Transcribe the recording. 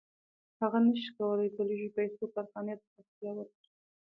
هغه نشي کولی په لږو پیسو کارخانې ته پراختیا ورکړي